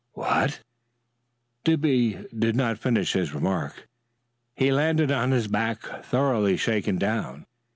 "What " Dippy did not finish his remark. He landed on his back thoroughly shaken down.